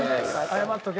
謝っとけ。